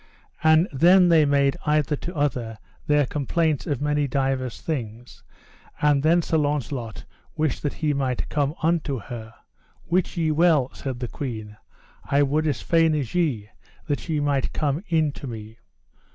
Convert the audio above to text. And then they made either to other their complaints of many divers things, and then Sir Launcelot wished that he might have come into her. Wit ye well, said the queen, I would as fain as ye, that ye might come in to me.